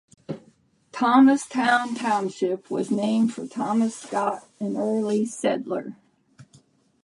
Thomastown Township was named for Thomas Scott, an early settler.